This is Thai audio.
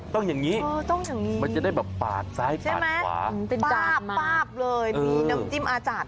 ต้องอย่างนี้มันจะได้แบบปากซ้ายปากขวาป้าบเลยมีน้ำจิ้มอาจารย์ด้วย